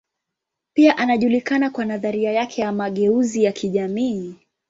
Pia anajulikana kwa nadharia yake ya mageuzi ya kijamii.